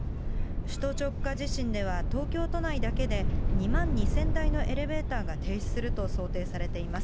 首都直下地震では、東京都内だけで２万２０００台のエレベーターが停止すると想定されています。